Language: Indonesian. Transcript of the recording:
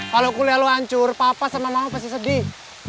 kalau kuliah lu hancur papa sama mama pasti sedih